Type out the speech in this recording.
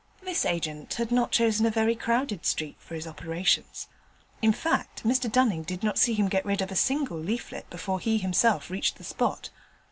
This agent had not chosen a very crowded street for his operations: in fact, Mr Dunning did not see him get rid of a single leaflet before he himself reached the spot.